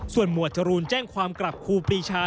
ส่วนหมวดจรูนแจ้งความกลับครูปีชา